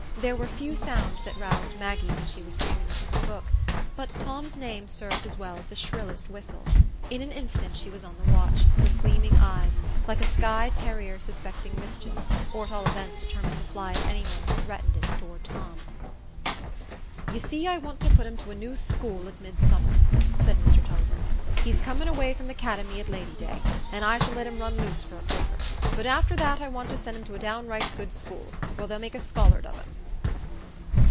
There were few sounds that roused Maggie when she was dreaming over her book, but Tom's name served as well as the shrillest whistle; in an instant she was on the watch, with gleaming eyes, like a Skye terrier suspecting mischief, or at all events determined to fly at any one who threatened it toward Tom. "You see, I want to put him to a new school at Midsummer," said Mr Tulliver; "he's comin' away from the 'cademy at Lady day, an' I shall let him run loose for a quarter; but after that I want to send him to a downright good school, where they'll make a scholard of him."